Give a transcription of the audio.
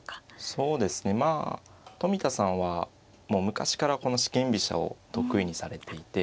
そうですねまあ冨田さんはもう昔からこの四間飛車を得意にされていて。